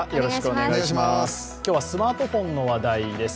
今日はスマートフォンの話題です。